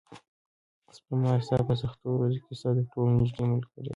سپما ستا په سختو ورځو کې ستا تر ټولو نږدې ملګرې ده.